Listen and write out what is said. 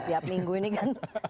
tiap minggu ini kan